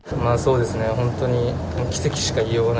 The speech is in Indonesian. ya benar sebenarnya hanya sebuah keajaiban